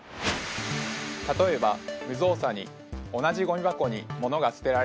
例えば無造作に同じゴミ箱に物が捨てられたとします。